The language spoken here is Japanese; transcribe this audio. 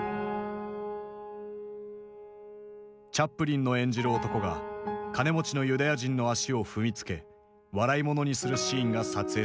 チャップリンの演じる男が金持ちのユダヤ人の足を踏みつけ笑いものにするシーンが撮影されていた。